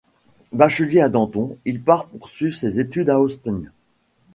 Bachelier à Denton, il part poursuivre ses études à Austin.